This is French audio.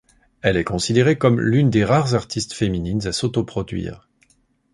Elle est considérée comme l'une des rares artistes féminines à s'autoproduire.